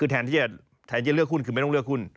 แทนที่จะแทนจะเลือกหุ้นคือไม่ต้องเลือกหุ้น